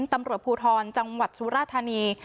ตำรวจภูทรจังหวัดสุราธานี